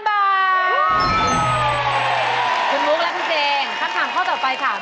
คุณมุกและคุณเจมส์คำถามข้อต่อไปค่ะ